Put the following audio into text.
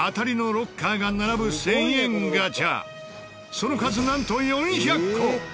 その数なんと４００個！